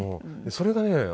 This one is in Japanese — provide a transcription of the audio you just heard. それがね